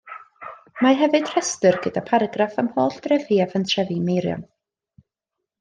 Mae hefyd restr gyda pharagraff am holl drefi a phentrefi Meirion.